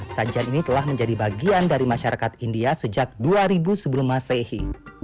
sajian ini telah menjadi bagian dari masyarakat india sejak dua ribu sebelum masehi